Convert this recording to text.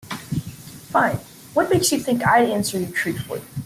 Fine, what makes you think I'd answer you truthfully?